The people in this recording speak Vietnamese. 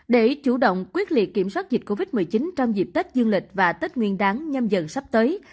để chủ động quyết liệt kiểm soát dịch covid một mươi chín trong dịp tết dương lịch và tết nguyên đáng nhâm dần sắp tới